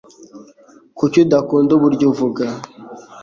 Kuki udakunda uburyo uvuga?